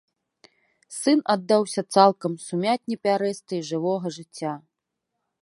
Сын аддаўся цалкам сумятні пярэстай жывога жыцця.